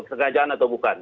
kesengajaan atau bukan